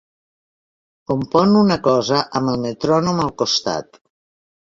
Compon una cosa amb el metrònom al costat.